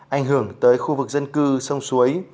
ảnh hưởng tới khu vực dân cư sông suối